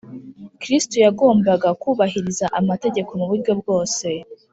, Kristo yagombaga kubahiriza amategeko mu buryo bwose